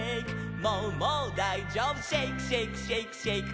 「もうもうだいじょうぶシェイクシェイクシェイクシェイク」